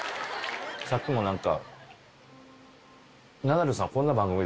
さっきもなんか。